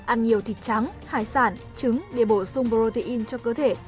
ăn nhiều thịt trắng hải sản trứng để bổ sung protein cho cơ thể